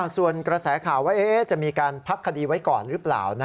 ส่วนกระแสข่าวว่าจะมีการพักคดีไว้ก่อนหรือเปล่า